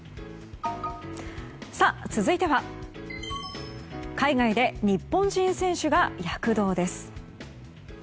続いては海外で日本人選手が躍動です。